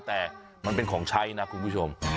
แต่มันเป็นของใช้นะคุณผู้ชม